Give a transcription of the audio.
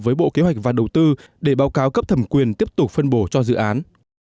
với bộ kế hoạch và đầu tư để báo cáo cấp thẩm quyền tiếp tục phân bổ cho dự án